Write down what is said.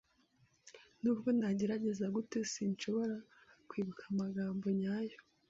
Nubwo nagerageza gute, sinshobora kwibuka amagambo nyayo.